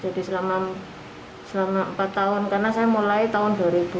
jadi selama empat tahun karena saya mulai tahun dua ribu enam belas